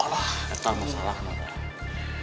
alah itu masalahnya